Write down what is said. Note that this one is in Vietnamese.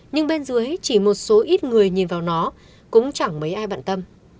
nhưng bên dưới chỉ một số ít người nhìn vào nó cũng chẳng mấy ai bận tâm